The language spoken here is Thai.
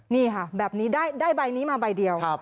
นี่ค่ะแบบนี้ได้ใบนี้มาใบเดียว